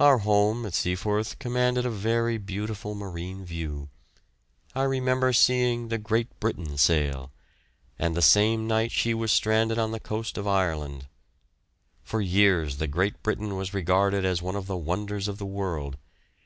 Our home at Seaforth commanded a very beautiful marine view. I remember seeing the "Great Britain" sail, and the same night she was stranded on the coast of Ireland. For years the "Great Britain" was regarded as one of the wonders of the world.